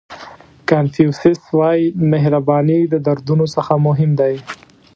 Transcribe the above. کانفیوسیس وایي مهرباني د دردونو څخه مهم دی.